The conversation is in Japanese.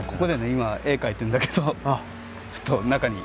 今絵描いてるんだけどちょっと中に。